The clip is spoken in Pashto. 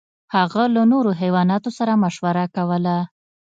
هغه له نورو حیواناتو سره مشوره کوله.